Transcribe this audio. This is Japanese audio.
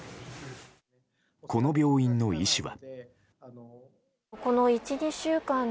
この病院の医師は。